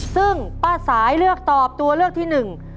ซึ่งป้าสายเลือกตอบตัวเลือกที่หนึ่ง